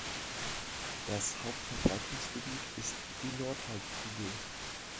Das Hauptverbreitungsgebiet ist die Nordhalbkugel.